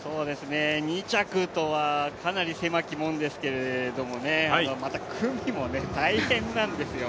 ２着とはかなり狭き門ですけれどもまた組も大変なんですよ。